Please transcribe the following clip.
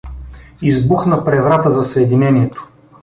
Избухна преврата за Съединението.